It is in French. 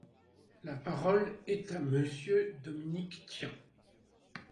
La parole est à Monsieur Dominique Tian.